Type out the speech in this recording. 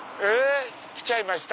来ちゃいました！